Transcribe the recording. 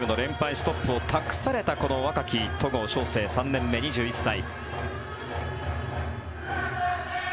ストップを託されたこの若き戸郷翔征、３年目２１歳。